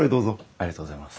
ありがとうございます。